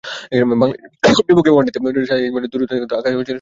বাংলাদেশের বিপক্ষে প্রথম ওয়ানডেতে সাঈদ আজমলের দুর্দশা নিয়ে আঁকা হয়েছিল সেই কার্টুন।